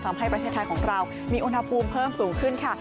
ทำให้ประเทศไทยของเรามีอุณหภูมิเพิ่มสูงขึ้นค่ะ